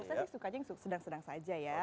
kalau saya suka sedang sedang saja ya